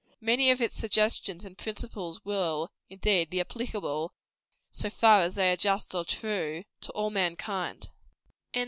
Many of its suggestions and principles will, indeed, be applicable so far as they are just or true to all mankind.